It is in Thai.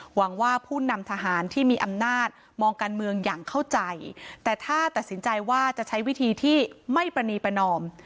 หวังว่าผู้นำทหารที่มีอำนาจมองการเมืองอย่างเข้าใจแต่ถ้าตัดสินใจว่าจะใช้วิธีที่ไม่ประนีประนอม